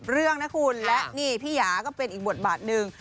๖๐เรื่องและนี่พี่ยาก็เป็นอีกบทบาทนึง